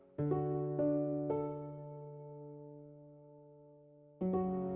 jadi wajar dong